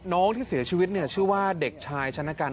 น้องที่เสียชีวิตชื่อว่าเด็กชายชนกรรม